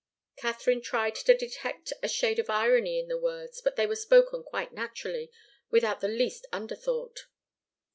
Katharine tried to detect a shade of irony in the words; but they were spoken quite naturally, without the least underthought.